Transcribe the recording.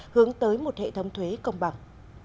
hướng tới một hệ thống thuế công bằng